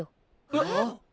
えっ！